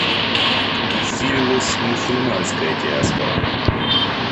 Усилилась мусульманская диаспора.